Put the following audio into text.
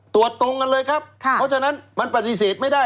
ตรงกันเลยครับเพราะฉะนั้นมันปฏิเสธไม่ได้